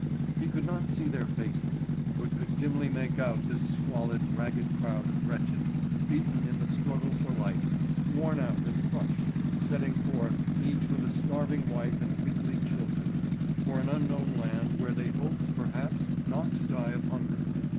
He could not see their faces, but could dimly make out this squalid, ragged crowd of wretches, beaten in the struggle for life, worn out and crushed, setting forth, each with a starving wife and weakly children, for an unknown land where they hoped, perhaps, not to die of hunger.